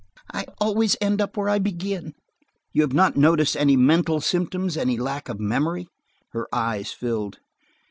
I always end where I begin." "You have not noticed any mental symptoms–any lack of memory?" Her eyes filled.